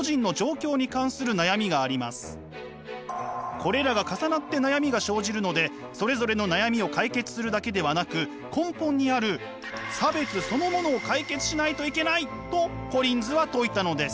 これらが重なって悩みが生じるのでそれぞれの悩みを解決するだけではなく根本にある差別そのものを解決しないといけないとコリンズは説いたのです。